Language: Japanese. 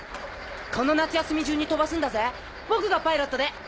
この夏休み中に飛ばすんだぜ僕がパイロットで。